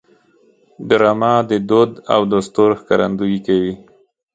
ډرامه د دود او دستور ښکارندویي کوي